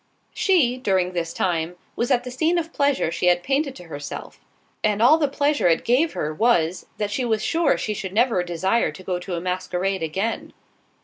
She, during this time, was at the scene of pleasure she had painted to herself, and all the pleasure it gave her was, that she was sure she should never desire to go to a masquerade again.